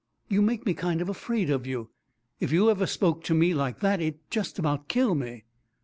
"You make me kind of afraid of you. If you ever spoke to me like that it'd just about kill me."